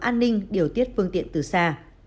an ninh điều tiết phương tiện từ xa